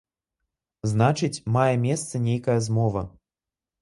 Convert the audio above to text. Значыць, мае месца нейкая змова.